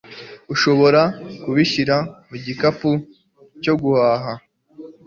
Urashobora kubishyira mu gikapu cyo guhaha?